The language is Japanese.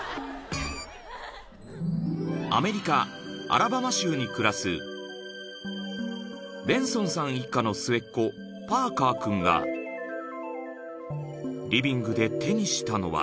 ［アラバマ州に暮らすベンソンさん一家の末っ子パーカー君がリビングで手にしたのは］